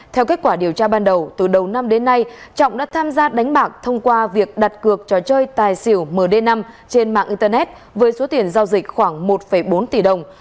theo kết quả điều tra ban đầu từ đầu năm đến nay trọng đã tham gia đánh bạc thông qua việc đặt cược trò chơi tài xỉu md năm trên mạng internet với số tiền giao dịch khoảng một bốn tỷ đồng